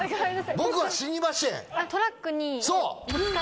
「僕は死にましぇん！」